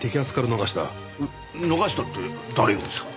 逃したって誰をですか？